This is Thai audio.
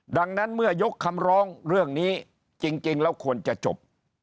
ดังนั้นเมื่อยกคำร้องเรื่องนี้จริงแล้วควรจะจบ